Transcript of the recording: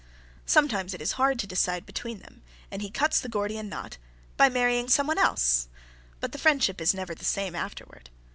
Sometimes it is hard to decide between them, and he cuts the Gordian knot by marrying someone else, but the friendship is never the same afterward.